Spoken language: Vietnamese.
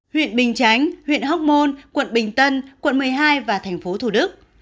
huyện bình chánh huyện hóc môn quận bình tân quận một mươi hai và thành phố thủ đức